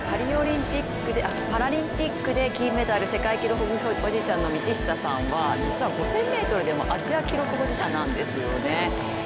パラリンピックで金メダル世界記録保持者の道下さんは実は５０００ｍでもアジア記録保持者なんですよね。